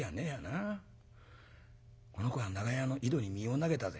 この子は長屋の井戸に身を投げたぜ」。